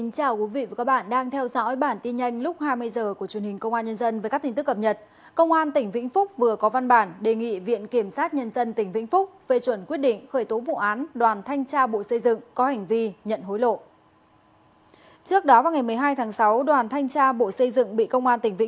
cảm ơn các bạn đã theo dõi